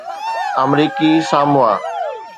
آمريڪي ساموا